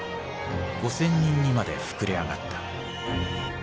５，０００人にまで膨れ上がった。